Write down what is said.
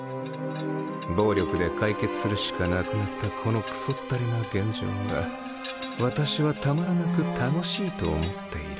暴力で解決するしかなくなったこのクソったれな現状が私はたまらなく楽しいと思っている。